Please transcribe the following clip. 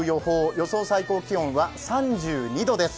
予想最高気温は３２度です。